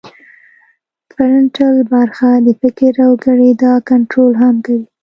فرنټل برخه د فکر او ګړیدا کنترول هم کوي